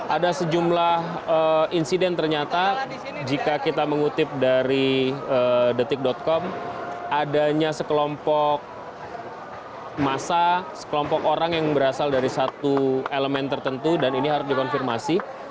ada sejumlah insiden ternyata jika kita mengutip dari detik com adanya sekelompok masa sekelompok orang yang berasal dari satu elemen tertentu dan ini harus dikonfirmasi